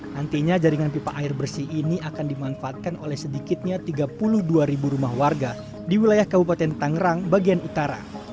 nantinya jaringan pipa air bersih ini akan dimanfaatkan oleh sedikitnya tiga puluh dua ribu rumah warga di wilayah kabupaten tangerang bagian utara